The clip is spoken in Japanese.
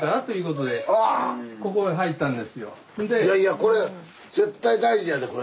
いやいやこれ絶対大事やでこれ。